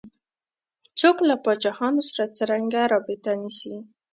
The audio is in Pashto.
څوک له پاچاهانو سره څرنګه رابطه نیسي.